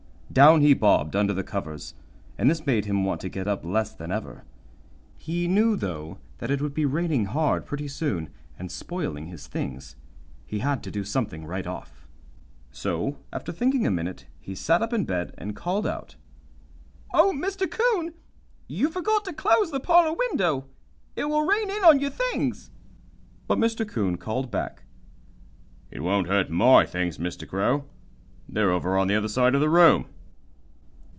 Down he bobbed under the covers, and this made him want to get up less than ever. He knew, though, that it would be raining hard pretty soon, and spoiling his things. He had to do something right off. So, after thinking a minute, he sat up in bed and called out: "Oh, Mr. 'Coon! You forgot to close the parlor window. It will rain in on your things." But Mr. 'Coon called back: "It won't hurt MY things, Mr. Crow. They're over on the other side of the room."